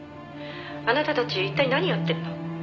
「あなたたち一体何やってんの？」